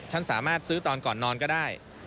สามารถซื้อตอนก่อนนอนก็ได้